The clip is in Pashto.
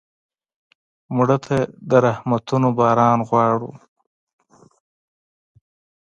مړه ته د رحمتونو باران غواړو